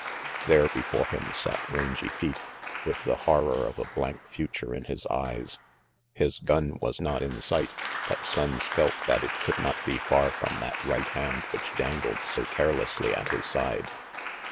There before him sat Rangy Pete, with the horror of a blank future in his eyes. His gun was not in sight, but Sonnes felt that it could not be far from that right hand which dangled so carelessly at his side.